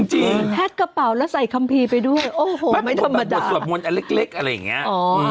หักกระเป๋าแล้วใส่คำพีย์ไปด้วยโอ้โหไม่ธรรมดา